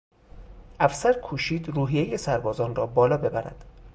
افسر کوشید روحیهی سربازان را بالا ببرد.